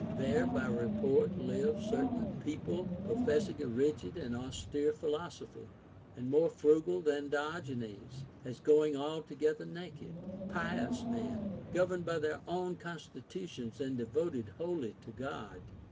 There, by report, live certain people 488 OF THE FORTUNE OR VIRTUE professing a rigid and austere philosophy, and more frugal than Diogenes, as going ahogetlier naked ; pious men, governed hy their own constitutions and devoted wholly to God.